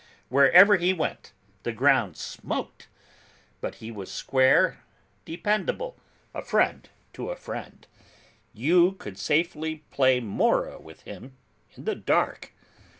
Wherever he went, the ground smoked! But he was square, dependable, a friend to a friend, you could safely play mora with him, in the dark.